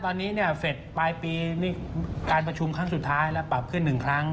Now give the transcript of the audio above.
ตอนนี้เนี่ยเสร็จปลายปีนี่การประชุมครั้งสุดท้ายแล้วปรับขึ้น๑ครั้ง